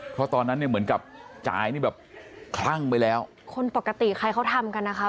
เพราะตอนนั้นเนี่ยเหมือนกับจ่ายนี่แบบคลั่งไปแล้วคนปกติใครเขาทำกันนะคะ